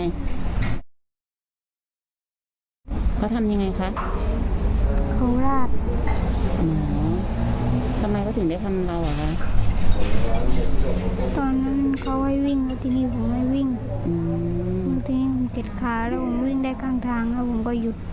หืมเดี๋ยวได้รอให้คนช่วยมั้ยลูก